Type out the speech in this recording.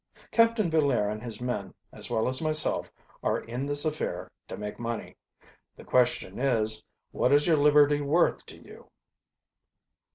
Captain Villaire and his men, as well as myself, are in this affair to make money. The question is, what is your liberty worth to you?"